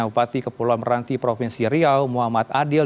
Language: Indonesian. bupati kepulauan meranti provinsi riau muhammad adil